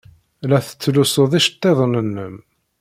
La tettlusud iceḍḍiḍen-nnem.